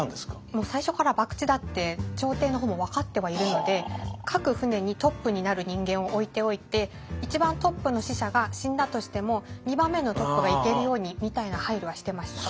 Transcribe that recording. もう最初から博打だって朝廷の方も分かってはいるので各船にトップになる人間を置いておいて一番トップの使者が死んだとしても２番目のトップが行けるようにみたいな配慮はしてました。